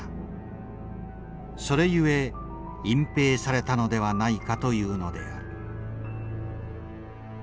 それゆえ隠蔽されたのではないかというのである。